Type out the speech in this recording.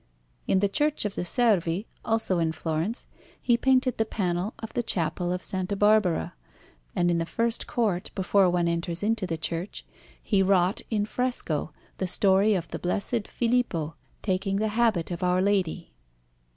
In the Church of the Servi, also in Florence, he painted the panel of the Chapel of S. Barbara; and in the first court, before one enters into the church, he wrought in fresco the story of the Blessed Filippo taking the Habit of Our Lady.